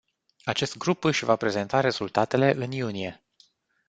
Acest grup își va prezenta rezultatele în iunie.